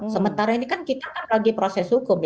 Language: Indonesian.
sementara ini kan kita kan lagi proses hukum